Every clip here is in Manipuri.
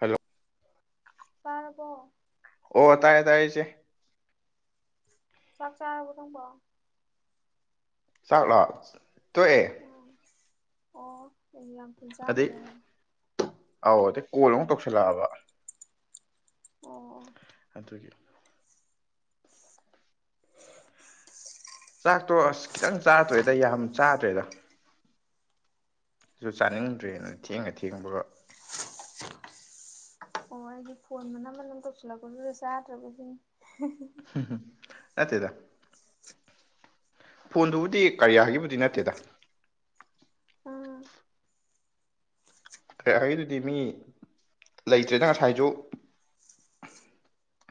ꯍꯜꯂꯣ ꯇꯥꯔꯕꯣ ꯇꯥꯔꯦ ꯇꯥꯔꯦ ꯏꯆꯦ ꯆꯥꯛ ꯆꯔꯥꯕꯣ ꯅꯪꯕꯣ ꯆꯥꯛꯂꯣ ꯇꯣꯀꯑꯦ ꯎꯝ ꯑꯣ ꯅꯣꯏꯗꯤ ꯌꯥꯝ ꯊꯨꯅ ꯑꯗꯩ ꯆꯥꯒ꯭ꯔꯦꯅꯦ ꯑꯧ ꯑꯗꯩ ꯀꯣꯜ ꯑꯃꯨꯛ ꯇꯧꯁꯜꯂꯛꯑꯕ ꯑꯣ ꯑꯗꯨꯒꯤ ꯆꯥꯛꯇꯣ ꯑꯁ ꯈꯤꯇꯪ ꯆꯥꯔ ꯇꯣꯀꯑꯦꯗꯥ ꯌꯥꯝ ꯆꯥꯗ꯭ꯔꯦꯗ ꯁꯨ ꯆꯥꯅꯤꯡꯗ꯭ꯔꯦꯅ ꯊꯦꯡꯒ ꯊꯦꯡꯕꯒ ꯑꯣ ꯑꯩꯗꯤ ꯐꯣꯟ ꯃꯅꯝ ꯃꯅꯝ ꯇꯧꯁꯟꯂꯛꯄꯗꯨꯗꯥ ꯆꯥꯗ꯭ꯔꯕ ꯁꯤꯅꯤ ꯍꯝ ꯍꯝ ꯅꯠꯇꯦꯗ ꯐꯣꯟꯗꯨꯕꯨꯗꯤ ꯀꯥꯔꯌꯥꯒꯤꯕꯨꯗꯤ ꯅꯠꯇꯦꯗ ꯎꯝ ꯀꯥꯔꯌꯥꯒꯤꯗꯨꯗꯤ ꯃꯤ ꯂꯩꯇ꯭ꯔꯦꯄ ꯉꯁꯥꯏꯁꯨ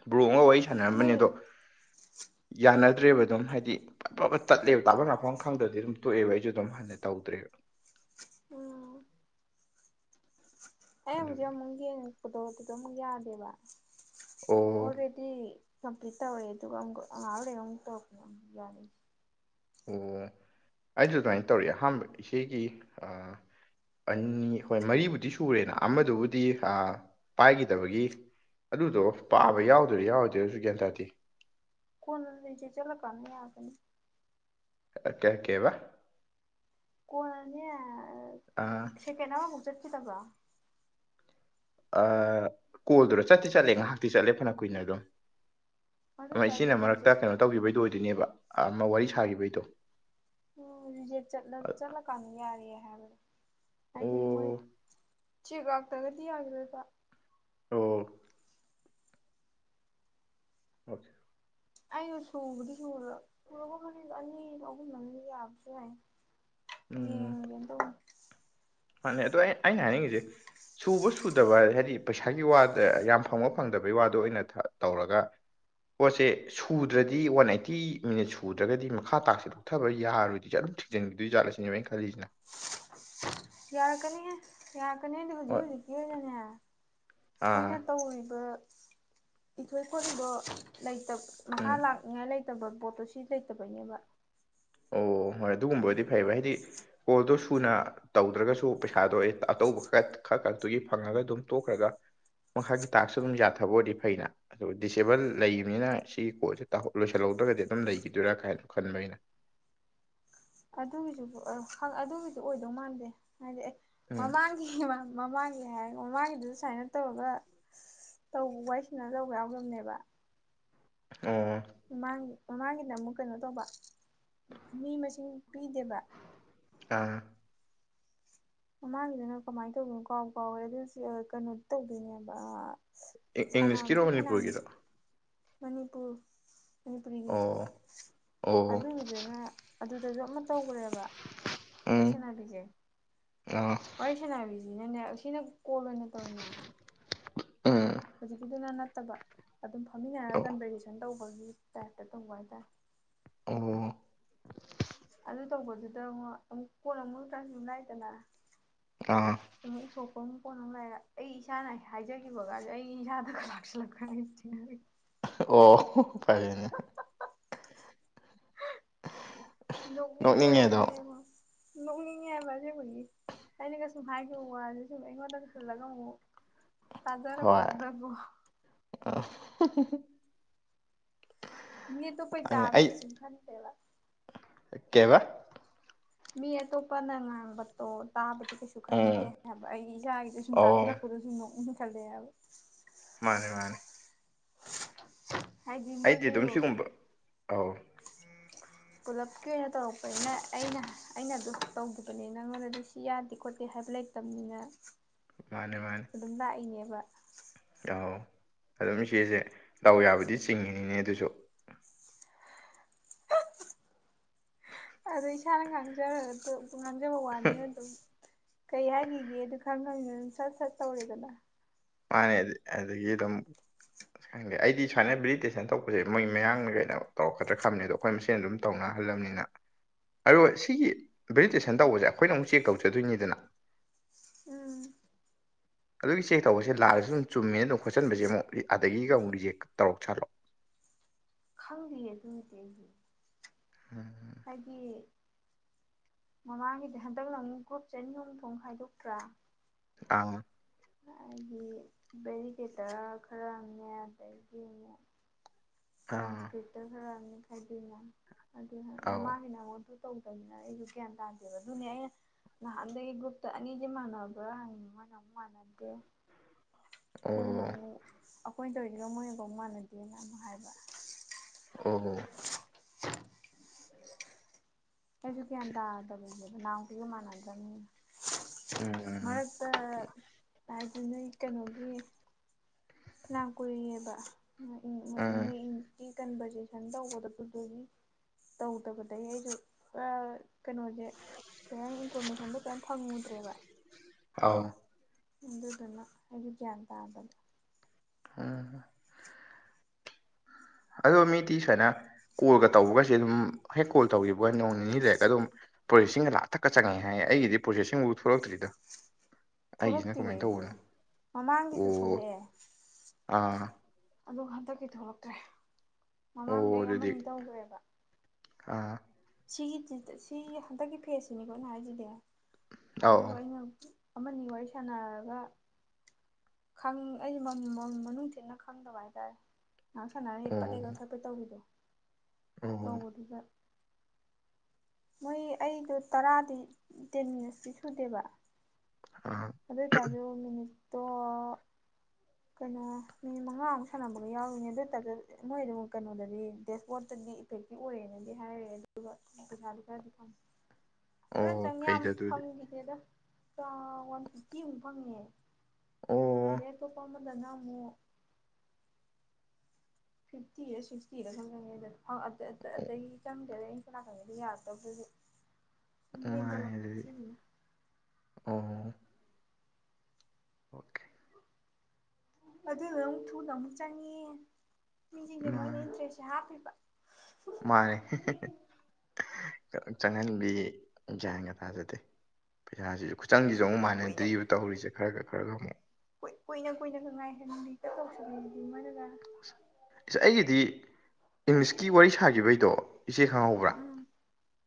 ꯕꯔꯣ ꯑꯃꯒꯥ ꯋꯥꯔꯤ ꯃꯣꯏ ꯁꯥꯟꯅꯔꯝꯕꯅꯦ ꯑꯗꯣ ꯌꯥꯅꯗ꯭ꯔꯦꯕ ꯑꯗꯨꯝ ꯍꯥꯏꯗꯤ ꯄꯔꯥꯄꯥ ꯇꯠꯂꯦꯕꯥ ꯇꯥꯐꯝ ꯂꯥꯛꯐꯝ ꯈꯪꯗ꯭ꯔꯗꯤ ꯑꯗꯨꯝ ꯇꯣꯛꯑꯦꯕ ꯑꯩꯁꯨ ꯑꯗꯨꯝ ꯍꯟꯅ ꯇꯧ ꯇꯧꯗ꯭ꯔꯦ ꯎꯝ ꯑꯩ ꯑꯗꯨꯒꯤ ꯍꯧꯖꯤꯛ ꯑꯃꯨꯛ ꯌꯦꯡꯉꯛꯄꯗꯣ ꯑꯗꯨꯗ ꯑꯃꯨꯛ ꯌꯥꯗꯦꯕ ꯑꯣ ꯑꯣꯜꯔꯦꯗꯤ ꯀꯝꯞꯂꯤꯠ ꯇꯧꯔꯦ ꯑꯗꯨꯒ ꯉꯥꯛ ꯂꯩꯒ ꯑꯃꯨꯛ ꯇꯧꯔ ꯑꯃꯨꯛ ꯌꯥꯔꯦ ꯑꯣ ꯑꯩꯁꯨ ꯑꯗꯨꯃꯥꯏꯟ ꯇꯧꯔꯑꯦ ꯑꯍꯥꯟꯕ ꯏꯆꯦꯒꯤ ꯑꯥ ꯑꯅꯤ ꯍꯣꯏ ꯃꯔꯤꯕꯨꯗꯤ ꯁꯨꯔꯦꯅ ꯑꯃꯗꯨꯕꯨꯗꯤ ꯑꯥ ꯄꯥꯏꯈꯤꯗꯕꯒꯤ ꯑꯗꯨꯗꯣ ꯄꯥꯕ ꯌꯥꯎꯗꯣꯢꯔꯥ ꯌꯥꯎꯔꯣꯏꯗꯣꯢꯔꯁꯨ ꯒ꯭ꯌꯥꯟ ꯇꯥꯗꯦ ꯀꯣꯟꯅ ꯂꯩ ꯆꯦꯖꯂꯀꯥꯟꯗ ꯌꯥꯔꯛꯀꯅꯤ ꯑꯥ ꯀ ꯀꯩꯕ ꯀꯣꯟꯅꯅꯦ ꯑꯥ ꯑꯥ ꯁꯦꯀꯦꯟ ꯑꯃꯃꯨꯛ ꯆꯠꯈꯤꯗꯕ꯭ꯔꯣ ꯑꯥ ꯀꯣꯜꯗꯨꯔ ꯆꯠꯇꯤ ꯆꯠꯂꯦ ꯉꯥꯏꯍꯥꯛꯇꯤ ꯆꯠꯂꯦ ꯐꯅ ꯀꯨꯏꯅ ꯑꯗꯨꯝ ꯑꯗꯨ ꯑꯃ ꯑꯣꯏꯇꯥꯔꯗꯤ ꯏꯆꯦꯅ ꯃꯔꯛꯇ ꯔꯤꯖꯦꯛ ꯀꯩꯅꯣ ꯇꯧꯈꯤꯕꯩꯗꯨ ꯑꯣꯏꯗꯣꯏꯅꯦꯕ ꯑꯃ ꯋꯥꯔꯤ ꯁꯥꯈꯤꯕꯩꯗꯣ ꯑꯣ ꯔꯤꯖꯦꯛ ꯆꯠꯂ ꯆꯠꯂ ꯀꯥꯟꯗ ꯌꯥꯔꯛꯑꯦ ꯑꯣ ꯍꯥꯏꯗꯤ ꯃꯣꯏ ꯆꯦꯛ ꯂꯥꯛꯇ꯭ꯔꯒꯗꯤ ꯌꯥꯒꯤꯔꯣꯢꯕ ꯑꯣ ꯍꯣꯢ ꯑꯩꯁꯨ ꯁꯨꯕꯗꯤ ꯁꯨꯔ ꯁꯨꯔꯒꯨꯝꯅꯤꯗ ꯑꯅꯤ ꯑꯍꯨꯝ ꯑ ꯌꯥꯕꯁꯨ ꯌꯥꯏ ꯎꯝ ꯌꯦꯡꯉꯒꯦꯟ ꯇꯧ ꯃꯥꯅꯦ ꯑꯗꯣ ꯑꯩ ꯑꯩꯅ ꯍꯥꯏꯅꯤꯡꯉꯤꯁꯦ ꯁꯨꯕ ꯁꯨꯗꯕ ꯍꯥꯏꯗꯤ ꯄꯩꯁꯥꯒꯤ ꯋꯥꯗ ꯌꯥꯝ ꯐꯪꯕ ꯐꯪꯗꯕꯩ ꯋꯥꯗꯣ ꯊ ꯑꯣꯏꯅ ꯇꯧꯔꯒ ꯄꯣꯠꯁꯦ ꯁꯨꯗ꯭ꯔꯗꯤ ꯋꯥꯟ ꯑꯥꯏꯠꯇꯤ ꯃꯤꯅꯠꯁ ꯁꯨꯗ꯭ꯔꯒꯗꯤ ꯃꯈꯥ ꯇꯥꯛꯁꯁꯦ ꯂꯧꯊꯕ ꯌꯥꯔꯣꯏꯗꯤ ꯖꯥꯠꯂꯣ ꯊꯤꯡꯖꯟꯒꯤꯗꯣꯢ ꯖꯥꯠꯂ ꯁꯤꯅꯦꯕ ꯑꯩꯟ ꯈꯜꯂꯤꯁꯤꯅ ꯌꯥꯔꯛꯀꯅꯤꯍꯦ ꯌꯥꯔꯛꯀꯅꯤꯗꯤ ꯍꯧꯖꯤꯛ ꯍꯣꯏ ꯍꯧꯖꯤꯛꯀꯤ ꯑꯣꯢꯅꯅꯦ ꯑꯩꯈꯣꯏꯅ ꯑꯥ ꯇꯧꯔꯤꯕ ꯏꯊꯣꯏ ꯀꯨꯟꯗꯣ ꯂꯩ ꯇ ꯃꯈꯥ ꯎꯝ ꯂꯥꯛꯅꯤꯉꯥꯏ ꯂꯩꯇꯕ ꯄꯣꯠꯇꯣ ꯁꯤ ꯂꯩꯇꯕꯩꯅꯦꯕ ꯑꯣ ꯍꯣꯏ ꯑꯗꯨꯒꯨꯝꯕ ꯑꯣꯢꯗꯤ ꯐꯩꯌꯦꯕ ꯍꯥꯏꯗꯤ ꯀꯣꯜꯗꯣ ꯁꯨꯅ ꯇꯧꯗ꯭ꯔꯒꯁꯨ ꯄꯩꯁꯥꯗꯣ ꯑꯩ ꯑꯇꯧꯕ ꯈꯔ ꯈ ꯈꯛꯇꯨꯒꯤ ꯐꯪꯉꯒ ꯑꯗꯨꯝ ꯇꯣꯛꯈ꯭ꯔꯒ ꯃꯈꯥꯒꯤ ꯇꯥꯛꯁꯨ ꯑꯗꯨꯝ ꯌꯥꯊꯕ ꯑꯣꯏꯔꯗꯤ ꯐꯩꯅ ꯑꯗꯨ ꯗꯤꯁꯑꯦꯕꯜ ꯂꯩꯕꯅꯤꯅ ꯁꯤꯒꯤ ꯀꯣꯠꯁꯦ ꯇ ꯂꯣꯏꯁꯤꯜꯂ ꯇ ꯗꯨꯒꯗꯤ ꯑꯗꯨꯝ ꯂꯩꯈꯤꯗꯣꯏꯔꯥ ꯀꯥꯏꯅ ꯈꯟꯕ ꯑꯩꯅ ꯑꯗꯨꯒꯤꯁꯨ ꯑꯦ ꯈ ꯑꯗꯨꯒꯤꯁꯨ ꯑꯣꯏꯗꯧ ꯃꯥꯟꯗꯦ ꯍꯥꯏꯗꯤ ꯑꯦ ꯎꯝ ꯃꯃꯥꯡꯒꯤ ꯃꯃꯥꯡꯒꯤ ꯍꯥꯏ ꯃꯃꯥꯡꯒꯤꯗꯨꯁꯨ ꯁꯨꯃꯥꯏꯅ ꯑ ꯇꯧꯔꯒ ꯇꯧ ꯋꯤꯔꯤ ꯁꯥꯟꯅꯔ ꯇꯧꯕ ꯌꯥꯎꯈ꯭ꯔꯕꯅꯦꯕ ꯑꯣ ꯃꯃꯥꯡ ꯃꯃꯥꯡꯒꯤꯅ ꯑꯃꯨꯛ ꯀꯩꯅꯣ ꯇꯧꯕ ꯃꯤ ꯃꯁꯤꯡ ꯄꯤꯗꯦꯕ ꯑꯥ ꯃꯃꯥꯡꯒꯤꯗꯅ ꯀꯃꯥꯏꯅ ꯇꯧꯕꯅꯣ ꯀꯥꯎꯕꯨ ꯀꯥꯎꯈ꯭ꯔꯦꯗ ꯑꯁꯤ ꯑꯥ ꯀꯩꯅꯣ ꯇꯧꯗꯣꯏꯅꯦꯕ ꯑꯥ ꯢ ꯏꯪꯂꯤꯁꯀꯤꯔꯣ ꯃꯅꯤꯄꯨꯔꯒꯤꯔꯣ ꯃꯅꯤꯄꯨꯔ ꯃꯅꯤꯄꯨꯔꯤꯒꯤ ꯑꯣ ꯑꯣ ꯑꯗꯨꯒꯤꯗꯨꯅ ꯑꯗꯨ ꯑꯗꯨꯗꯖꯨ ꯑꯃ ꯇꯧꯈ꯭ꯔꯦꯕ ꯋꯥꯔꯤ ꯎꯝ ꯁꯥꯟꯅꯕꯤꯁꯦ ꯑꯥ ꯋꯥꯔꯤ ꯁꯥꯟꯅꯥꯕꯤꯁꯤꯅꯅꯦ ꯁꯤꯅ ꯀꯣꯜ ꯑꯣꯏꯅ ꯇꯧꯋꯤꯅ ꯎꯝ ꯍꯧꯖꯤꯛꯀꯤꯗꯨꯅ ꯅꯠꯇꯕ ꯑꯗꯨꯝ ꯐꯝꯃꯤꯟꯅꯔ ꯑꯣ ꯀꯟꯚꯔꯁꯦꯁꯟ ꯇꯧ ꯑꯗꯨꯢ ꯇꯥꯞꯇ ꯇꯧꯕ ꯍꯥꯢꯇꯥꯔꯦ ꯑꯣ ꯑꯗꯨ ꯇꯧꯕꯗꯨꯗ ꯉꯣ ꯑꯃꯨꯛ ꯄꯣꯠ ꯑꯃꯛꯗ꯭ꯔꯥꯁꯨ ꯅꯥꯏꯗꯅ ꯑꯥ ꯑꯃꯨꯛ ꯏꯊꯣꯛ ꯀꯣꯝ ꯀꯣꯅꯨꯡ ꯂꯩꯔ ꯑꯩ ꯏꯁꯥꯅ ꯍꯥꯏꯖꯈꯤꯕꯒꯁꯦ ꯑꯩ ꯏꯁꯥꯗꯒ ꯂꯥꯛꯁꯤꯜꯂꯛ ꯍꯥꯏ ꯊꯦꯡꯅꯒ꯭ꯔꯦ ꯑ ꯍ ꯑꯣ ꯐꯔꯦ ꯑꯗꯨꯅ ꯅꯣꯛꯅꯤꯡꯉꯦ ꯑꯗꯣ ꯅꯣꯛꯅꯤꯡꯕꯁꯤꯗꯤꯉꯣ ꯅꯣꯛꯅꯤꯡꯉꯦꯕ ꯑꯁꯦꯡꯕꯒꯤ ꯑꯩꯅꯒꯁꯨꯝ ꯍꯥꯏꯈꯤꯕ ꯋꯥꯁꯦ ꯁꯨꯝ ꯑꯩꯉꯣꯟꯗꯒ ꯍꯜꯂꯒ ꯑꯃꯨꯛ ꯇꯖꯔꯛꯄꯗꯨꯗ ꯀꯣ ꯍꯝ ꯍꯝ ꯍ ꯃꯤ ꯇꯣꯞꯄꯩ ꯇꯥꯕꯗꯤ ꯀꯩꯁꯨꯝ ꯈꯟꯗꯦꯕ ꯀꯦꯏꯕ ꯃꯤ ꯑꯇꯣꯞꯄꯅ ꯉꯥꯡꯕꯗꯣ ꯇꯥꯕꯗꯤ ꯀꯩꯁꯨ ꯈꯟꯗꯦ ꯎꯝ ꯍꯥꯏꯕ ꯑꯩ ꯏꯁꯥꯒꯤꯗꯨ ꯁꯨꯝ ꯑꯧ ꯇꯥꯥꯁꯜꯂꯛꯄꯗꯣ ꯁꯨꯝ ꯅꯣꯛꯅꯤꯡ ꯈꯜꯂꯛꯑꯦ ꯍꯥꯏꯕ ꯃꯥꯅꯦ ꯃꯥꯅꯦ ꯍꯥꯏꯗꯤ ꯑꯩꯗꯤ ꯃꯣꯏꯁꯨ ꯑꯗꯨꯝ ꯁꯤꯒꯨꯝꯕ ꯑꯧ ꯄꯨꯂꯞꯀꯤ ꯑꯣꯏꯅ ꯇꯧꯔꯛꯄꯅꯤꯅ ꯑꯩꯅ ꯑꯩꯅ ꯑꯗꯨ ꯇꯧꯈꯤꯕꯅꯤ ꯅꯪꯉꯣꯟꯗꯗꯤ ꯁꯤ ꯌꯥꯗꯦ ꯈꯣꯠꯇꯦ ꯍꯥꯏꯕ ꯂꯩꯇꯅꯤꯅ ꯃꯥꯅꯦ ꯃꯥꯅꯦ ꯑꯗꯨꯝ ꯂꯥꯛꯏꯅꯦꯕ ꯑꯣ ꯑꯗꯨꯝ ꯏꯆꯦꯁꯦ ꯗꯥꯎ ꯌꯥꯕꯨꯗꯤ ꯆꯤꯡꯉꯤꯅꯤꯅꯦ ꯑꯗꯨꯁꯨ ꯑꯗ ꯏꯁꯥꯅ ꯉꯥꯡꯖꯔ ꯉꯥꯡꯖꯕ ꯋꯥꯅꯤꯅ ꯑꯗꯨꯝ ꯀꯩ ꯍꯥꯏꯈꯤꯒꯦ ꯈꯪꯉꯅꯤꯅ ꯑꯗꯨꯝ ꯁꯠ ꯁꯠ ꯇꯧꯔꯦꯗꯅ ꯃꯥꯅꯦ ꯑꯗꯨ ꯑꯗꯨ ꯗꯤ ꯑꯗꯨꯝ ꯈꯪꯗꯦ ꯑꯩꯗꯤ ꯁꯨꯃꯥꯏꯅ ꯃꯦꯗꯤꯇꯦꯁꯟ ꯇꯄꯁꯦ ꯃꯣꯏ ꯃꯌꯥꯡꯅ ꯀꯩꯅꯣ ꯇꯧꯔꯛꯗ꯭ꯔ ꯈꯕ ꯑꯗꯣ ꯑꯩꯈꯣꯏ ꯃꯁꯦꯟ ꯑꯗꯨꯝ ꯇꯧꯅ ꯑꯍꯜꯂꯅꯤꯅ ꯑ ꯁꯤꯒꯤ ꯚꯦꯖꯤꯇꯦꯁꯟ ꯇꯧꯕꯁꯦ ꯑꯩꯈꯣꯏꯅ ꯑꯃꯨꯛ ꯆꯦꯛ ꯇꯧꯖꯗꯣꯏꯅꯤꯗꯅ ꯎꯝ ꯑꯗꯨꯒꯤ ꯆꯦꯛ ꯇꯧꯕꯁꯦ ꯂꯥꯜꯂꯁꯨ ꯑꯗꯨꯨꯝ ꯆꯨꯝꯃꯦꯅ ꯈꯣꯠꯆꯟꯕꯁꯦ ꯑꯃꯨꯛ ꯑꯗꯒꯤꯒ ꯑꯃꯨꯛ ꯔꯤꯖꯦꯛ ꯇꯧꯔꯛ ꯁꯥꯠꯂꯣ ꯈꯪꯗꯌꯦ ꯑꯗꯨꯃꯗꯤ ꯑꯩꯒꯤ ꯎꯝ ꯍꯥꯏꯗꯤ ꯃꯃꯥꯡꯒꯤꯗꯤ ꯍꯟꯗꯛꯅ ꯑꯃꯨꯛ ꯒ꯭ꯔꯨꯞ ꯑꯅꯤ ꯑꯍꯨꯝ ꯊꯣꯛꯅ ꯈꯥꯏꯗꯣꯛꯇ꯭ꯔꯥ ꯑꯡ ꯑꯩꯗꯤ ꯕꯦꯔꯤꯒꯦꯗꯔ ꯈꯔꯅꯦ ꯑꯗꯒꯤ ꯑꯃꯨꯛ ꯑꯥ ꯇ꯭ꯔꯥꯟꯁꯀ꯭ꯔꯤꯇ ꯈꯔ ꯑꯃꯅꯤꯛ ꯈꯥꯏꯗꯣꯏꯅ ꯑꯗꯨ ꯑꯥꯎ ꯃꯥꯃꯥꯡꯒꯤꯅ ꯑꯃꯨ ꯇꯧꯗꯕꯅꯤꯅ ꯑꯩꯁꯨ ꯒ꯭ꯌꯥꯟ ꯇꯥꯗꯦꯕ ꯑꯗꯨꯅꯦ ꯑꯩꯅ ꯅꯍꯥꯟꯗꯒꯤ ꯒ꯭ꯔꯨꯞꯇ ꯑꯅꯤꯖꯦ ꯃꯥꯟꯅꯕ꯭ꯔꯥ ꯍꯪꯔꯤꯅꯦ ꯃꯣꯏꯅ ꯑꯃꯨꯛ ꯃꯥꯟꯅ ꯗꯦ ꯃꯣꯏ ꯑꯣ ꯑꯃꯨꯛ ꯑꯩꯈꯣꯏꯅ ꯇꯧꯔꯤꯖꯤꯅ ꯃꯣꯏꯒ ꯑꯃꯨꯛ ꯃꯥꯟꯅꯗꯦꯅ ꯑꯃ ꯍꯥꯏꯕ ꯑꯣ ꯀꯩꯁꯨ ꯒ꯭ꯌꯥꯟ ꯇꯥꯗꯕꯅꯦꯕ ꯅꯍꯥꯟꯃꯨꯛꯀ ꯃꯥꯟꯅꯗ꯭ꯔꯅꯤꯅ ꯎꯝ ꯃꯔꯛꯇ ꯍꯥꯏ ꯑꯗꯨ ꯅꯣꯏ ꯀꯩꯅꯣꯒꯤ ꯐꯅꯝ ꯀꯨꯏꯅꯦꯕ ꯑꯥ ꯀꯟꯚꯔꯖꯦꯁꯟ ꯇꯧꯕꯗꯗꯨꯒꯤ ꯇꯧꯗꯕꯗꯒꯤ ꯑꯩꯁꯨ ꯑꯥ ꯀꯩꯅꯣꯖꯦ ꯀꯔꯤ ꯍꯥꯏꯅꯤ ꯏꯟꯐꯣꯔꯃꯦꯁꯟꯗꯣ ꯀꯩꯝ ꯐꯪꯉꯨꯗ꯭ꯔꯦꯕ ꯑꯥꯎ ꯑꯗꯨꯗꯨꯅ ꯑꯩꯒꯤ ꯒ꯭ꯌꯥꯟ ꯇꯥꯗꯅ ꯑꯥ ꯑꯗꯣ ꯃꯤꯇꯤ ꯁ꯭ꯋꯥꯏꯅ ꯀꯣꯜꯒ ꯇꯧꯕꯒꯦ ꯑꯗꯨꯝ ꯍꯦꯛ ꯀꯣꯜ ꯇꯧꯈꯤꯕ ꯍꯣꯏ ꯅꯣꯡ ꯅꯤꯅꯤ ꯂꯩꯔꯒ ꯑꯗꯨꯝ ꯄ꯭ꯔꯣꯁꯦꯁꯤꯡꯒ ꯂꯥꯥꯛꯑ ꯊꯛꯀ ꯆꯪꯉꯦ ꯍꯥꯏꯌꯦ ꯑꯩꯒꯤꯗꯤ ꯄ꯭ꯔꯣꯁꯦꯁꯤꯡꯕꯨ ꯊꯣꯛꯂꯛꯇ꯭ꯔꯤꯗ ꯑꯩꯒꯤꯁꯤꯅ ꯊꯣꯛꯂꯛꯇꯤꯌꯦ ꯀꯃꯥꯏꯅ ꯑꯩꯁꯨ ꯇꯧꯕꯅꯣ ꯃꯃꯥꯡꯒꯤꯗꯨ ꯑꯣ ꯊꯣꯛꯂꯛꯑꯦ ꯑꯥ ꯑꯗꯨ ꯍꯟꯗꯛꯀꯤ ꯊꯣꯛꯂꯛꯇ꯭ꯔꯦ ꯑꯣ ꯃꯃꯥꯡꯗ ꯑꯩ ꯑꯗꯨꯗꯤ ꯑꯃꯅꯤ ꯇꯧꯒ꯭ꯔꯦꯕ ꯑꯥ ꯁꯤꯒꯤ ꯁꯤ ꯍꯟꯗꯛꯀꯤ ꯐꯦꯁꯁꯤꯅꯤꯀꯣ ꯑꯩꯅ ꯍꯥꯏꯁꯤꯗꯤ ꯑꯧ ꯑꯗꯨꯒ ꯑꯩꯅ ꯑꯃꯅꯤ ꯋꯥꯔꯤ ꯁꯥꯟꯅꯔꯒ ꯈꯪ ꯑꯩ ꯃ ꯃ ꯃꯅꯨꯡ ꯊꯤꯟꯅ ꯈꯪꯗꯕ ꯍꯥꯏꯇꯥꯔꯦ ꯉꯍꯥꯛ ꯁꯥꯟꯅꯔ ꯄꯠ ꯑꯧ ꯍꯦꯛ ꯀꯛꯊꯠꯄꯤ ꯇꯧꯕꯤꯗꯣ ꯑꯣ ꯑꯣ ꯇꯧꯕꯗꯨꯒ ꯃꯣꯏ ꯑꯩꯗꯣ ꯇꯔꯥꯗꯤ ꯇꯦꯟ ꯃꯤꯅꯠꯁꯇꯤ ꯁꯨꯗꯦꯕ ꯑꯥ ꯑꯗꯩ ꯇꯥꯖꯣ ꯃꯤꯅꯤꯠꯇꯣ ꯀꯩꯅꯣ ꯃꯤꯅꯤꯠ ꯃꯉꯥꯃꯨꯛ ꯁꯥꯟꯅꯕꯒ ꯌꯥꯎꯔꯤꯅꯦ ꯑꯗꯨꯇꯁꯨ ꯃꯣꯏꯗꯨꯝ ꯀꯩꯅꯣꯗꯗꯤ ꯗꯦꯁꯕꯣꯔꯠꯇ ꯗꯤ ꯏꯐꯦꯛꯇꯤ ꯑꯣꯏꯔꯦꯅꯗꯤ ꯍꯥꯏꯔꯦ ꯑꯗꯨꯒ ꯄꯩꯁꯥꯗꯨ ꯈꯔꯗꯤ ꯐꯪ ꯍꯣꯏ ꯑꯣ ꯆꯪ ꯌꯥꯝ ꯐꯩꯗ ꯑꯗꯨꯗꯤ ꯐꯪꯛꯤꯗꯦꯗ ꯋꯥꯟ ꯐꯤꯇꯤꯃꯨꯛ ꯐꯪꯉꯦ ꯑꯣ ꯑꯗꯩ ꯑꯇꯣꯞꯄ ꯑꯃ ꯑꯃꯗꯅ ꯑꯃꯨꯛ ꯐꯤꯐꯇꯤꯔ ꯁꯤꯛꯁꯇꯤꯔ ꯈꯛ ꯆꯪꯉꯦꯗ ꯑꯣ ꯑꯗꯒꯤ ꯆꯪꯗꯔꯦ ꯁꯣꯝꯅꯀꯟꯒꯤ ꯌꯔꯛꯇꯕꯗꯨꯗꯤ ꯌꯦꯡꯖꯜꯂꯣ ꯃꯥꯅꯦ ꯑꯗꯨꯗꯤ ꯐꯅꯤꯁꯤꯁꯤꯅ ꯑꯣ ꯑꯣꯀꯦ ꯑꯗꯨꯅ ꯑꯃꯨꯛ ꯊꯨꯅ ꯑꯃꯨꯛ ꯆꯪꯉꯦ ꯃꯤꯁꯤꯡꯁꯦ ꯃꯣꯏꯅ ꯃꯥꯅꯦ ꯏꯟꯇꯔꯦꯁꯁꯦ ꯍꯥꯞꯄꯤꯕ ꯃꯥꯅꯦ ꯍꯦ ꯍꯦ ꯍꯦ ꯆꯪꯍꯟꯕꯤ ꯒ꯭ꯌꯥꯟꯒ ꯇꯥꯖꯗꯦ ꯄꯩꯁꯥꯁꯤꯁꯨ ꯆꯪꯒꯤꯖꯦ ꯑꯃꯨꯛ ꯀꯨꯏꯅ ꯃꯥꯟꯆꯗ꯭ꯔꯤ ꯇꯧꯔꯤꯁꯦ ꯈꯔ ꯈꯔꯒ ꯑꯃꯨꯛ ꯀꯨꯏꯅ ꯀꯨꯏꯅꯒ ꯉꯥꯏꯍꯟꯕꯤ ꯇꯛꯇꯧꯁꯤꯟ ꯏꯁ ꯑꯩꯒꯤꯗꯤ ꯏꯪꯂꯤꯁꯀꯤ ꯋꯥꯔꯤ ꯁꯥꯈꯤꯕꯩꯗꯣ ꯏꯆꯦ ꯈꯪꯍꯧꯕ꯭ꯔꯥ ꯎꯝ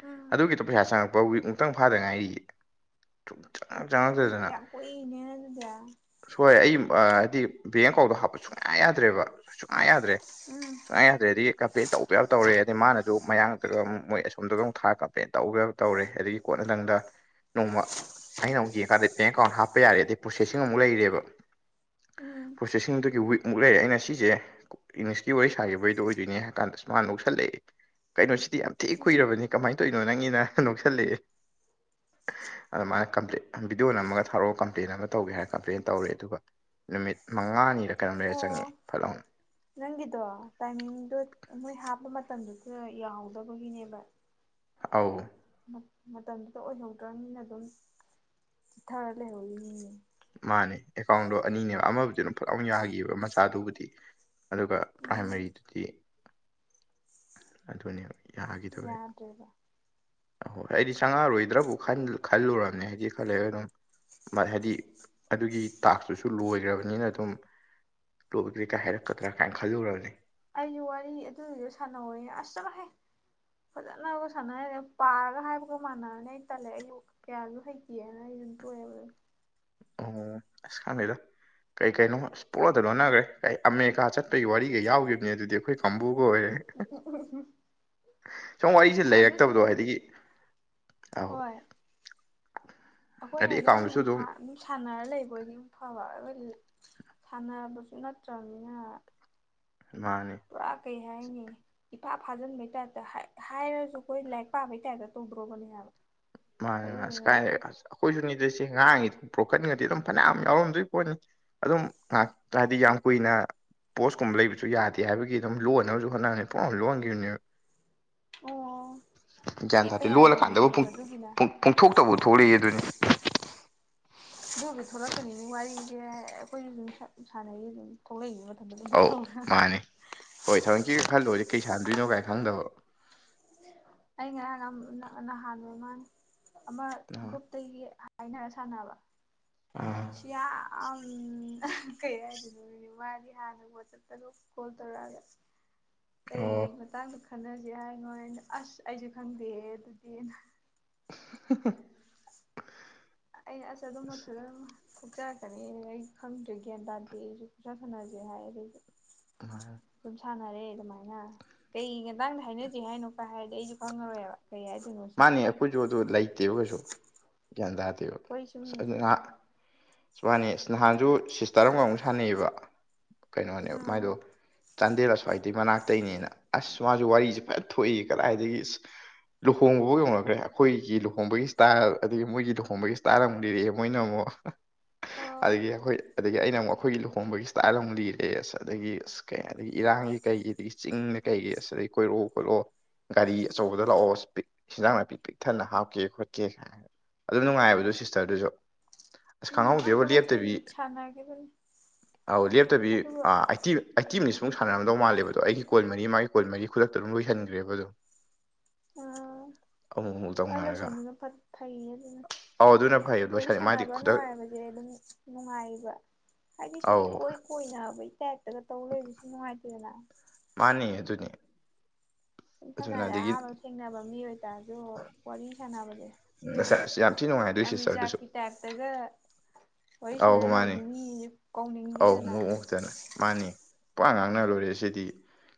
ꯎꯝ ꯑꯗꯨꯒꯤꯗꯣ ꯄꯩꯁꯥ ꯆꯪꯉꯛꯄ ꯋꯤꯛꯃꯨꯛꯇ ꯐꯥꯗ ꯉꯥꯏꯔꯤꯌꯦ ꯁꯨꯡꯆꯪ ꯑꯦ ꯌꯥꯝ ꯀꯨꯏꯅꯦ ꯑꯗꯨꯗꯤ ꯍꯣꯏ ꯑꯩ ꯑꯥ ꯍꯥꯏꯗꯤ ꯕꯦꯡ ꯑꯦꯀꯥꯎꯟꯗꯣ ꯍꯥꯞꯄ ꯁꯨꯡꯌꯥ ꯌꯥꯗꯦ ꯗ꯭ꯔꯦꯕ ꯁꯨꯡꯌꯥ ꯌꯥꯗ꯭ꯔꯦ ꯎꯝ ꯁꯨꯡꯌꯥ ꯌꯥꯗ꯭ꯔꯦꯗꯤ ꯀꯝꯄ꯭ꯂꯦꯟ ꯇꯧꯕ ꯌꯥꯕ ꯇꯧꯔꯦ ꯑꯗꯩ ꯃꯥꯅꯁꯨ ꯃꯌꯥꯡ ꯑꯗꯨꯒ ꯑꯃꯨꯛ ꯃꯣꯏ ꯑꯁꯣꯝꯗꯒ ꯑꯃꯨꯛ ꯊꯥꯔ ꯀꯥꯝꯄ꯭ꯂꯦꯟ ꯇꯧꯕ ꯌꯥꯕ ꯇꯧꯔꯦ ꯑꯗꯒꯤ ꯀꯣꯟꯅꯊꯪꯗ ꯅꯣꯡꯃ ꯑꯩꯅ ꯑꯃꯨꯛ ꯌꯦꯡꯉꯀꯥꯟꯗ ꯕꯦꯡ ꯑꯀꯥꯎꯟ ꯍꯥꯞꯄ ꯌꯥꯔꯦꯗꯤ ꯄꯣꯁꯦꯁꯤ ꯨꯂꯩꯔꯦꯕ ꯎꯝ ꯄ꯭ꯔꯣꯁꯦꯁꯤꯡꯗꯒꯤ ꯋꯤꯛꯃꯨꯛ ꯂꯩꯔꯦ ꯑꯩꯅ ꯁꯤꯁꯦ ꯏꯪꯂꯤꯁꯀꯤ ꯋꯥꯔꯤ ꯁꯥꯈꯤꯕꯩꯗꯣ ꯑꯣꯏꯗꯣꯏꯅꯦ ꯍꯥꯏ ꯀꯥꯟꯗ ꯃꯥꯅ ꯅꯣꯛꯁꯜꯂꯛꯑꯦ ꯀꯩꯅꯣ ꯁꯤ ꯌꯥꯝ ꯊꯤ ꯎꯝ ꯀꯨꯏꯔꯕꯅꯤ ꯀꯃꯥꯏꯅ ꯇꯧꯔꯤꯅꯣ ꯅꯪꯒꯤꯅ ꯅꯣꯛꯁꯜꯂꯛꯑꯦ ꯑꯗ ꯃꯥꯅ ꯀꯝꯄ꯭ꯂꯦꯟ ꯚꯕꯤꯗꯤꯑꯣ ꯅꯝꯃꯒ ꯊꯥꯔꯛꯑꯣ ꯀꯝꯄ꯭ꯂꯦꯟ ꯑꯃ ꯇꯧꯒꯦ ꯍꯥꯏꯔ ꯀꯝꯄ꯭ꯂꯦꯟ ꯇꯧꯔꯦ ꯑꯗꯨꯒ ꯅꯨꯃꯤꯠ ꯃꯉꯥꯅꯤꯔ ꯀꯩꯅꯣꯝ ꯂꯩꯔ ꯑꯣ ꯆꯪꯉꯛꯑꯦ ꯐꯠ ꯂꯥꯎꯅ ꯅꯪꯒꯤꯗꯣ ꯇꯥꯏꯃꯤꯡꯗꯣ ꯃꯣꯏ ꯍꯥꯞꯄ ꯃꯇꯝꯗꯨꯁꯨ ꯌꯥꯍꯧꯗꯕꯒꯤꯅꯦꯕ ꯑꯥꯎ ꯃꯇꯝꯗꯨꯗ ꯑꯣꯏꯍꯧꯗ꯭ꯔꯝꯅꯤꯅ ꯑꯗꯨꯝ ꯆꯤꯊꯔ ꯂꯩꯍꯧꯔꯤꯅꯤꯅꯦ ꯃꯥꯅꯦ ꯑꯦꯀꯥꯎꯟꯗꯣ ꯑꯅꯤꯅꯦ ꯑꯃꯕꯨꯗꯨ ꯑꯗꯨꯝ ꯐꯠ ꯂꯥꯎꯅ ꯌꯥꯒꯤꯕ ꯃꯆꯥꯗꯨꯕꯨꯗꯤ ꯑꯗꯨꯒ ꯎꯝ ꯄ꯭ꯔꯥꯏꯃꯔꯤꯗꯨꯗꯤ ꯑꯗꯨꯅꯦꯕ ꯌꯥꯈꯤꯗꯕꯩ ꯌꯥꯗ꯭ꯔꯦꯕ ꯑꯍꯣꯏ ꯑꯩꯗꯤ ꯆꯪꯉꯛꯔꯣꯏꯗ꯭ꯔꯕꯨ ꯈꯟ ꯈꯜꯂꯨꯔꯕꯅꯦ ꯍꯥꯏꯗꯤ ꯈ ꯂꯩꯔ ꯑꯗꯨꯝ ꯃꯥ ꯍꯥꯏꯗꯤ ꯑꯗꯨꯒꯤ ꯇꯥꯛꯁꯇꯨꯁꯨ ꯂꯣꯏꯒ꯭ꯔꯕꯅꯤꯅ ꯑꯗꯨꯝ ꯇꯣꯛꯑꯖꯦ ꯀꯥꯏ ꯍꯥꯏꯔꯛꯀꯗ꯭ꯔꯥ ꯀꯥꯏꯅ ꯈꯜꯂꯨꯔꯕꯅꯤ ꯑꯩꯁꯨ ꯋꯥꯔꯤ ꯑꯗꯨꯗꯨꯁꯨ ꯁꯥꯟꯅꯧꯋꯦ ꯑꯁ ꯆꯠꯂꯣꯍꯦ ꯐꯖꯅꯕꯨ ꯁꯥꯟꯅ ꯍꯩꯔ ꯄꯥꯔꯒ ꯍꯥꯏꯕꯒ ꯃꯥꯟꯅꯔꯅꯤ ꯑꯩ ꯇꯜꯂꯦ ꯑꯩꯕꯨ ꯀꯌꯥꯁꯨ ꯍꯩꯇꯦꯅ ꯑꯩ [unintelligible] ꯑꯣ ꯑꯁ ꯈꯪꯗꯦꯗ ꯀꯩ ꯀꯩꯅꯣ ꯑꯁ ꯄꯨꯛꯂꯣꯟꯗ ꯂꯣꯠꯅꯒ꯭ꯔꯦ ꯀꯩ ꯑꯃꯦꯔꯤꯀꯥ ꯆꯠꯄꯒꯤ ꯋꯥꯔꯤꯒ ꯌꯥꯎꯒꯤꯕꯅꯦ ꯑꯗꯨꯗꯤ ꯑꯩꯈꯣꯏ ꯀꯥꯡꯕꯨ ꯍꯦꯏꯌꯦ ꯁꯨꯝ ꯋꯥꯔꯤꯁꯦ ꯑꯗꯨ ꯁꯨꯝ ꯂꯩꯔꯛꯇꯕꯗꯣ ꯍꯥꯏꯗꯤ ꯍꯣꯏ ꯑꯩꯈꯣꯏꯅ ꯍꯥꯏꯗꯤ ꯑꯦꯀꯥꯎꯟꯗꯨꯁꯨ ꯑꯗꯨꯝ ꯍꯥ ꯑꯗꯨꯝ ꯁꯥꯟꯅꯔ ꯂꯩꯕꯣꯏꯗꯤ ꯐꯕ ꯑꯩꯈꯣꯏꯗꯤ ꯁꯥꯟꯅꯕꯁꯨ ꯅꯠꯇ꯭ꯔꯕꯅꯤꯅ ꯃꯥꯅꯦ ꯄꯨꯔꯥ ꯀꯩ ꯍꯥꯏꯅꯤ ꯏꯐꯥ ꯐꯥꯖꯤꯟꯕꯩ ꯇꯥꯏꯞꯇ ꯍꯥꯏ ꯍꯥꯏꯔꯁꯨ ꯑꯩꯈꯣꯏ ꯂꯥꯏꯔꯤꯛ ꯄꯥꯕꯩ ꯇꯥꯏꯞꯇ ꯇꯧꯗ꯭ꯔꯣꯕꯅꯦ ꯍꯥꯏꯕ ꯃꯥꯅꯦ ꯃꯥ ꯑꯁ ꯑꯗꯨꯗꯨꯅ ꯀꯥꯏ ꯑꯈꯣꯏꯁꯨꯅꯤ ꯏꯪꯂꯤꯁꯁꯦ ꯉꯥꯡꯉꯤ ꯕ꯭ꯔꯣꯛꯈꯀꯟꯒꯗꯤ ꯑꯗꯨꯝ ꯐꯅꯌꯥꯝ ꯌꯥꯎꯔꯝꯗꯣꯏꯄꯣꯠꯅꯤ ꯑꯗꯨꯝ ꯉꯥꯍꯥꯛ ꯍꯥꯏꯗꯤ ꯌꯥꯝ ꯀꯨꯏꯅ ꯄꯣꯁꯀꯨꯝꯕ ꯂꯩꯕꯖꯨ ꯌꯥꯗꯦ ꯍꯥꯏꯕꯒꯤ ꯑꯗꯨꯝ ꯂꯣꯟꯍꯅꯕꯁꯨ ꯍꯣꯠꯅꯔꯦ ꯄꯨꯡꯂꯣꯟ ꯂꯣꯟꯒꯤꯕꯅꯦꯕ ꯑꯣ ꯒ꯭ꯌꯥꯟ ꯂꯦꯞꯄ ꯇꯥꯗꯦ ꯂꯣꯜꯂ ꯀꯥꯟꯗꯕꯨ ꯌꯥꯗꯕꯤꯅꯦꯕ ꯄꯨꯡ ꯑꯗꯨꯒꯤꯅ ꯄꯡꯊꯣꯛꯇꯕꯨ ꯊꯣꯛꯂꯛꯑꯦꯗꯨꯅꯤ ꯑꯗꯨꯕꯨꯗꯤ ꯊꯣꯛꯂꯛꯅꯤꯅꯦ ꯋꯥꯔꯤꯖꯦ ꯑꯩꯈꯣꯏꯁꯨ ꯗꯨꯝ ꯁꯥ ꯁꯥꯟꯅꯩꯖꯦ ꯑꯗꯨꯝ ꯊꯣꯛꯂꯛꯏꯖꯦ ꯑꯧ ꯃꯥꯅꯦ ꯍꯣꯏ ꯊꯑꯣꯏꯀꯤꯒ ꯈꯜꯂꯨꯔꯗꯤ ꯀꯩ ꯁꯥꯟꯗꯣꯏꯅꯣ ꯀꯥꯏ ꯈꯪꯗꯕ ꯑꯩ ꯉꯔꯥꯡ ꯅꯍꯥꯟ ꯑꯣꯏ ꯃꯥꯅꯦ ꯑꯃ ꯒ꯭ꯔꯨꯞꯇꯒꯤ ꯍꯥꯏꯅꯔ ꯁꯥꯟꯅꯕ ꯑꯥ ꯁꯤꯌꯥ ꯑꯝ ꯑꯍꯥ ꯀꯩ ꯍꯥꯏꯗꯣꯏꯅꯣꯅꯦ ꯃꯥꯗꯤ ꯍꯥꯟꯅ ꯋꯥꯆꯞꯇꯒ ꯀꯣꯜ ꯇꯧꯔꯛꯑꯒ ꯀꯩ ꯑꯣ ꯃꯇꯥꯡꯗ ꯈꯟꯅꯁꯤ ꯍꯥꯏꯅꯣ ꯍꯥꯏꯅ ꯑꯁ ꯑꯩꯁꯨ ꯈꯪꯗꯦꯍꯦ ꯑꯗꯨꯗꯤꯅ [unintelligible] ꯑꯩꯅ ꯑꯁ ꯑꯗꯨꯝ [unintelligible] ꯊꯣꯛꯆꯔꯛꯀꯅꯤ ꯑꯩ ꯈꯪꯗ꯭ꯔꯦ ꯒ꯭ꯌꯥꯟ ꯇꯥꯗꯦ ꯑꯩꯁꯨ ꯄꯪꯁꯥꯟ ꯁꯥꯟꯅꯁꯦ ꯍꯥꯏꯔꯦ ꯑꯩꯖꯨ [inaudible] ꯁꯥꯟꯅꯔꯦ ꯑꯗꯨꯃꯥꯏꯅ ꯀꯩ ꯃꯇꯥꯡꯗ ꯍꯥꯏꯅꯖꯦ ꯍꯥꯏꯅꯣ ꯀꯥꯢ ꯍꯥꯏꯔꯗꯤ ꯑꯩꯖꯨ ꯈꯪꯉꯔꯣꯏꯕ ꯀꯩ ꯍꯥꯏꯗꯣꯏꯅꯣ ꯁꯤ ꯃꯥꯅꯤ ꯑꯩꯈꯣꯏꯖꯨ ꯑꯗꯨ ꯂꯩꯇꯦꯕ ꯀꯩꯁꯨ ꯒ꯭ꯌꯥꯟ ꯇꯥꯗꯦꯕ ꯑꯩꯈꯣꯏ ꯁꯨꯝ ꯑꯁ ꯑꯗꯨ ꯉꯥꯢꯍꯥꯛ ꯃꯥꯅꯦ ꯅꯍꯥꯟꯖꯨ ꯁꯤꯁꯇꯔ ꯑꯃꯒ ꯑꯃꯨꯛ ꯁꯥꯟꯅꯩꯑꯕ ꯀꯩꯅꯣꯅꯦ ꯑꯥ ꯃꯥꯏꯗꯣ ꯆꯥꯟꯗꯦꯜ ꯑꯁ꯭ꯋꯥꯏꯗꯩ ꯃꯅꯥꯛꯇꯩꯅꯦꯅ ꯑꯁ ꯃꯥꯁꯨ ꯋꯥꯔꯤꯁꯦ ꯐꯖ ꯊꯣꯛꯏ ꯀꯗꯥꯏꯗꯒꯤ ꯂꯨꯍꯣꯡꯕꯕꯧ ꯌꯧꯅꯈ꯭ꯔꯦ ꯑꯩꯈꯣꯏꯒꯤ ꯂꯨꯍꯣꯡꯕꯒꯤ ꯁ꯭ꯇꯥꯏꯜ ꯑꯗꯒꯤ ꯃꯣꯏꯒꯤ ꯂꯨꯍꯣꯡꯕꯒꯤ ꯁ꯭ꯇꯥꯏꯜ ꯑꯃꯨꯛ ꯂꯤꯔꯛꯑꯦ ꯃꯣꯏꯅ ꯑꯃꯨꯛ ꯑꯣ ꯑꯗꯒꯤ ꯑꯩꯈꯣꯏ ꯑꯗꯒꯤ ꯑꯩꯅ ꯑꯃꯨꯛ ꯑꯩꯈꯣꯏꯒꯤ ꯂꯨꯍꯣꯡꯕꯒꯤ ꯁ꯭ꯇꯥꯏꯜ ꯑꯃꯨꯛ ꯂꯤꯔꯦ ꯑꯁ ꯑꯗꯒꯤ ꯑꯁ ꯀꯩ ꯑꯗꯒꯤ ꯏꯔꯥꯡꯒꯤ ꯀꯩꯒꯤ ꯑꯗꯒꯤ ꯆꯤꯡ ꯀꯩꯒꯤ ꯑꯁ ꯀꯣꯏꯔꯛꯑꯣ ꯈꯣꯠꯂꯛꯑꯣ ꯒꯥꯔꯤ ꯑꯆꯧꯕꯗ ꯂꯥꯛꯑꯣ ꯍꯦꯟꯖꯥꯡ ꯅꯥꯄꯤ ꯄꯤꯛ ꯊꯟꯅ ꯍꯥꯞꯀꯦ ꯈꯣꯠꯀꯦ ꯀꯥꯏꯅ ꯑꯗꯨꯝ ꯅꯨꯡꯉꯥꯏꯕ ꯑꯗꯨ ꯁꯤꯁꯇꯔꯗꯨꯁꯨ ꯑꯁ ꯎꯝ ꯈꯪꯍꯧꯗꯦꯕ ꯑꯩꯁꯨ ꯃ ꯊꯦꯡ ꯂꯦꯞꯇꯕꯤ ꯁꯥꯟꯅꯒꯤꯕꯅꯤ ꯑꯧ ꯂꯦꯞꯇꯕꯤ ꯑ ꯑꯩꯇꯤ ꯑꯩꯇꯤ ꯑꯣꯏꯁꯨ ꯃꯨꯛ ꯁꯥꯟꯅꯔꯝꯗꯧ ꯃꯥꯜꯂꯦꯕ ꯗꯣ ꯑꯩꯒꯤ ꯀꯣꯜ ꯃꯔꯤ ꯃꯥꯒꯤ ꯀꯣꯜ ꯃꯔꯤ ꯈꯨꯗꯛꯇ ꯑꯗꯨꯝ ꯂꯣꯏꯁꯤꯟꯈ꯭ꯔꯦꯕ ꯑꯗꯨꯝ ꯑꯥ ꯑꯃꯨꯛ ꯑꯃꯨꯛ ꯑ ꯇꯧꯅꯔꯒ ꯂꯣꯏꯁꯟꯕꯗꯨꯅ ꯐꯠ ꯐꯩ ꯑꯗꯨꯅ ꯑꯧ ꯑꯗꯨꯅ ꯐꯩ ꯋꯥꯔꯤ ꯂꯣꯏꯁꯟ ꯃꯥꯗꯤ ꯁꯥꯟꯅꯕ ꯈꯨꯗꯛ ꯅꯨꯡꯉꯥꯏꯕꯁꯦ ꯑꯗꯨꯝ ꯅꯨꯡꯉꯥꯏꯌꯦꯕ ꯍꯥꯏꯗꯤ ꯁꯨꯝ ꯑꯧ ꯏꯀꯣꯏ ꯀꯣꯏꯅꯕꯩ ꯇꯥꯢꯞꯇꯒ ꯇꯧ ꯂꯩꯕꯁꯨ ꯅꯨꯡꯉꯥꯏꯇꯦꯅ ꯃꯥꯅꯦ ꯑꯗꯨꯅꯦ ꯁꯨꯝꯅ ꯑꯗꯨꯅ ꯍꯥꯏꯔ ꯑꯗꯒꯤ ꯑꯍꯥꯟꯕ ꯊꯦꯡꯅꯕ ꯃꯤ ꯑꯣꯏꯇꯥꯔꯁꯨ ꯋꯥꯔꯤ ꯁꯥꯟꯅꯕꯗꯣ ꯑꯁ ꯑꯁ ꯌꯥꯝ ꯊꯤꯅ ꯅꯨꯡꯉꯥꯏ ꯑꯗꯨꯢ ꯁꯤꯁꯇꯔꯗꯨꯁꯨ ꯇꯥꯏꯞꯇꯒ ꯋꯥꯔꯤ ꯑꯧ ꯁꯥꯟꯅ ꯃꯥꯅꯦ ꯂꯩꯔꯗꯤ ꯃꯤꯖꯨ ꯑꯧ ꯀꯧꯅꯤꯡꯗꯦꯗꯅ ꯃꯨꯛ ꯃꯨꯛꯇꯅ ꯃꯥꯅꯤ ꯄꯉꯥꯡ ꯉꯥꯡꯅ ꯂꯣꯏꯔꯦ ꯁꯤꯗꯤ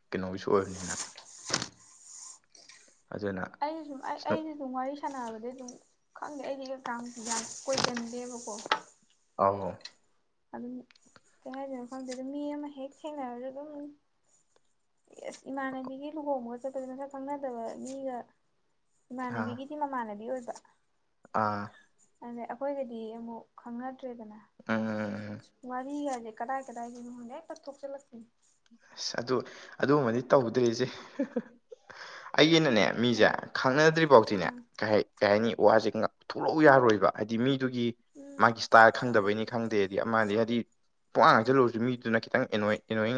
ꯀꯩꯅꯣꯒꯤꯁꯨ ꯑꯣꯏꯕꯅꯤꯅ ꯑꯗꯨꯅ ꯑꯩ ꯁꯨꯝ ꯑꯩ ꯁꯅꯨ ꯑꯩꯁꯨ ꯁꯨꯝ ꯋꯥꯔꯤ ꯁꯥꯅꯥꯕꯁꯦ ꯑꯗꯨꯝ ꯈꯪꯗꯦ ꯑꯩꯗꯤ ꯀꯥꯡ ꯌꯥꯝ ꯀꯣꯏꯒꯟꯗꯦꯕꯀꯣ ꯑꯧꯅꯦ ꯑꯗꯨꯝ ꯀꯩ ꯍꯥꯏꯗꯣꯏꯅꯣ ꯈꯪꯗꯦꯗ ꯃꯤ ꯑꯃ ꯍꯦꯛ ꯊꯦꯡꯅꯔꯁꯨ ꯑꯗꯨꯝ ꯏꯁ ꯏꯃꯥꯟꯅꯕꯤꯒꯤ ꯂꯨꯍꯣꯡꯕꯒ ꯆꯠꯄꯖꯦ ꯃꯁꯛ ꯈꯪꯅꯗꯕ ꯃꯤꯒ ꯑꯥ ꯏꯃꯥꯟꯅꯕꯤꯒꯤꯗꯤ ꯃꯃꯥꯟꯅꯕꯤ ꯑꯣꯏ ꯑꯥ ꯑꯗ ꯑꯩꯈꯣꯏꯒꯗꯤ ꯑꯃꯨꯛ ꯈꯪꯅꯗ꯭ꯔꯦꯗꯅ ꯑꯥ ꯋꯔꯤꯒꯖꯦ ꯀꯗꯥꯏ ꯀꯗꯥꯥꯏꯗꯩꯅꯣ ꯈꯪꯗꯦ ꯍꯦꯛꯇ ꯊꯣꯛꯆꯤꯜꯂꯛꯄꯤꯅꯦ ꯑꯁ ꯑꯗꯨ ꯑꯗꯨꯒꯨꯝꯕꯗꯤ ꯇꯧꯗ꯭ꯔꯤꯁꯦ [unintelligible] ꯑꯩ ꯑꯩꯅꯅꯦ ꯃꯤꯖꯦ ꯍꯥꯏꯗꯤ ꯈꯪꯅꯗ꯭ꯔꯤꯕꯧꯇꯤꯅꯦ ꯑꯥ ꯀꯩ ꯀꯩ ꯍꯥꯏꯅꯤ ꯋꯥꯁꯦ ꯉ ꯊꯣꯛꯂꯛꯑꯣ ꯌꯥꯔꯣꯏꯕ ꯍꯥꯏꯗꯤ ꯃꯤꯗꯨꯒꯤ ꯎꯝ ꯃꯥꯒꯤ ꯁ꯭ꯇꯥꯏꯜ ꯈꯪꯗꯕꯩꯅꯤ ꯈꯪꯗꯦꯗꯤ ꯑꯃ ꯅꯤꯒꯗꯤ ꯄꯨꯉꯥꯡ ꯉꯥꯡꯖꯜꯂꯨꯔꯁꯨ ꯃꯤꯗꯨꯅ ꯈꯤꯇꯪ ꯑꯦꯅꯣꯢꯠ ꯑꯦꯅꯣꯢꯌꯤꯡ